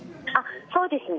そうですね